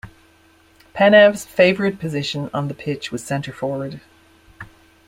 Penev's favourite position on the pitch was centre forward.